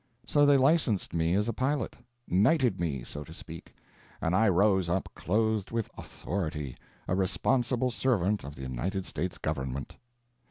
So they licensed me as a pilot—knighted me, so to speak—and I rose up clothed with authority, a responsible servant of the United States Government.